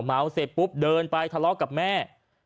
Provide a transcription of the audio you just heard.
เมาเสร็จปุ๊บเดินไปทะเลาะกับแม่